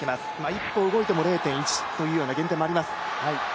１歩動いても０．１というような減点もあります。